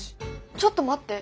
ちょっと待って。